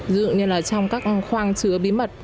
dựa như là trong các khoang chứa bí mật